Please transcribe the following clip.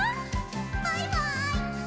バイバイ！